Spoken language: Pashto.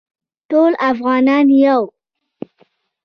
ټول افغانان یو